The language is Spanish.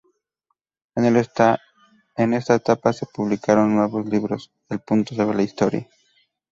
En esta etapa se publicaron dos nuevos libros: "El punto sobre la historia.